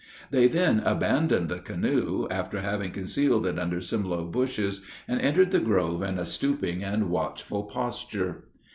They then abandoned the canoe, after having concealed it under some low bushes, and entered the grove in a stooping and watchful posture.